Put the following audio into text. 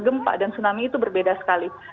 gempa dan tsunami itu berbeda sekali